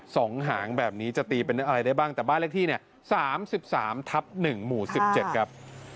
สองหางแบบนี้จะตีเป็นอะไรได้บ้างแต่บ้านเลขที่๓๓๑หมู่๑๗ครับ